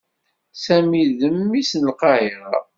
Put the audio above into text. Sami d mmi-s n Lqahiṛa.